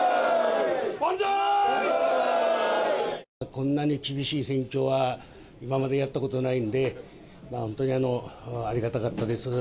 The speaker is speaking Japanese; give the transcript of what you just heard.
こんなに厳しい選挙は今までやったことがないんで、本当にありがたかったです。